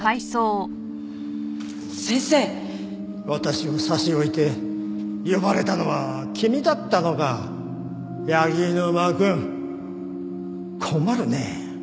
私を差し置いて呼ばれたのは君だったのか柳沼くん。困るねえ。